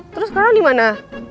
terus sekarang di mana